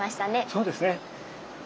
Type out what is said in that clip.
そうですね。